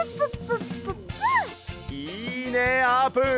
いいねあーぷん！